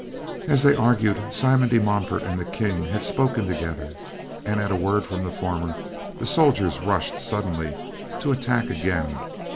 As they argued, Simon de Montfort and the King had spoken together, and, at a word from the former, the soldiers rushed suddenly to the attack again.